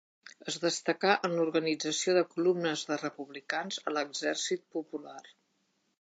Es destacà en l'organització de columnes de republicans a l'Exèrcit Popular.